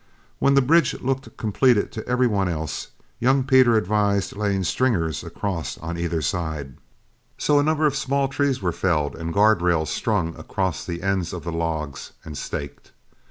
When the bridge looked completed to every one else, young Pete advised laying stringers across on either side; so a number of small trees were felled and guard rails strung across the ends of the logs and staked.